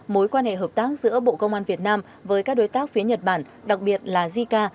mối quan hệ hợp tác giữa bộ công an việt nam với các đối tác phía nhật bản đặc biệt là jica